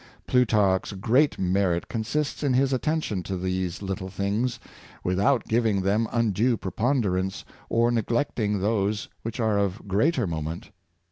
Plutarch's great merit consists in his attention to these little things, without giving them undue preponderance, or neglecting those which are of greater moment.